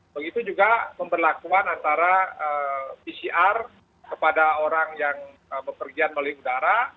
begitu juga pemberlakuan antara pcr kepada orang yang berpergian melalui udara